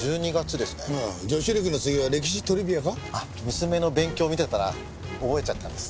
娘の勉強を見てたら覚えちゃったんです。